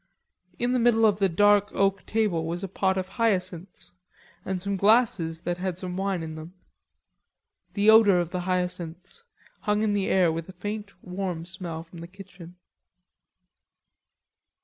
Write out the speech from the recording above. In the middle of the dark oak table was a pot of hyacinths and some glasses that had had wine in them. The odor of the hyacinths hung in the air with a faint warm smell from the kitchen.